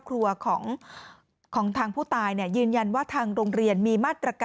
ฟังเสียงคุณแม่และก็น้องที่เสียชีวิตค่ะ